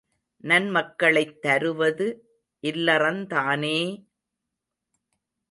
நன்மக்களைத் தருவது இல்லறந்தானே!